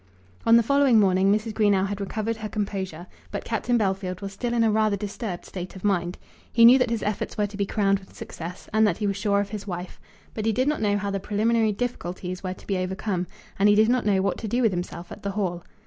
On the following morning Mrs. Greenow had recovered her composure, but Captain Bellfield was still in a rather disturbed state of mind. He knew that his efforts were to be crowned with success, and that he was sure of his wife, but he did not know how the preliminary difficulties were to be overcome, and he did not know what to do with himself at the Hall.